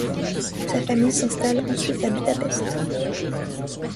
Sa famille s'installe ensuite à Budapest.